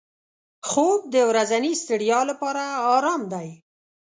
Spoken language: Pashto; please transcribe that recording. خوب د ورځني ستړیا لپاره آرام دی